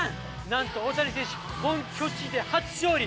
なんと大谷選手、本拠地で初勝利。